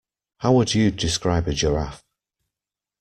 How would you describe a giraffe?